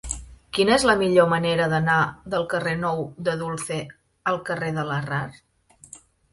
Quina és la millor manera d'anar del carrer Nou de Dulce al carrer de Larrard?